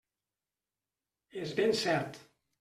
És ben cert.